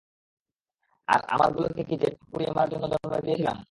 আর আমারগুলোকে কি জ্যান্ত পুড়িয়ে মারার জন্য জন্ম দিয়েছিলাম?